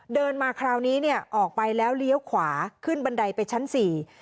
เดินมาคราวนี้เนี่ยออกไปแล้วเลี้ยวขวาขึ้นบันไดไปชั้นสี่